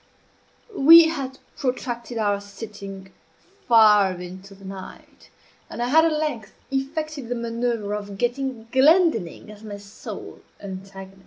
We had protracted our sitting far into the night, and I had at length effected the manoeuvre of getting Glendinning as my sole antagonist.